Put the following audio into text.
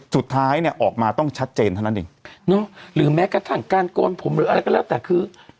สุดท้ายเนี่ยออกมาต้องชัดเจนเท่านั้นเองเนอะหรือแม้กระทั่งการโกนผมหรืออะไรก็แล้วแต่คือ